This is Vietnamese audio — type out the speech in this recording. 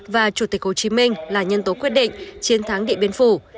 và chủ tịch hồ chí minh là nhân tố quyết định chiến thắng điện biên phủ